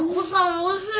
おいしい。